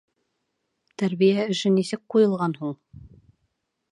— Тәрбиә эше нисек ҡуйылған һуң?